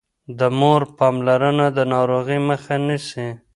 د مور پاملرنه د ناروغۍ مخه نيسي.